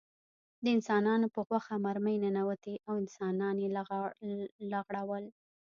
د انسانانو په غوښه مرمۍ ننوتې او انسانان یې لغړول